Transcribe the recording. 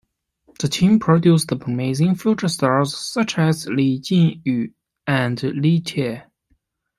The team produced promising future stars such as Li Jinyu and Li Tie.